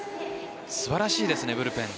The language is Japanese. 素晴らしいですね、ブルペン。